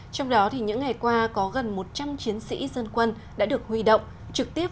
trong đó những ngày qua có gần một trăm linh chiến sĩ dân quân đã được huy động trực tiếp